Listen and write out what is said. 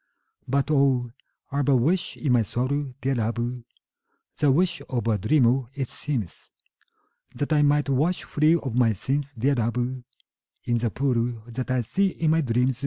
But, oh, I 've a wish in my soul, dear love, (The wish of a dreamer, it seems,) That I might wash free of my sins, dear love, In the pool that I see in my dreams.